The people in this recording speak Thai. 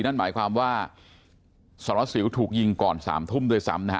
นั่นหมายความว่าสารวัสสิวถูกยิงก่อน๓ทุ่มด้วยซ้ำนะฮะ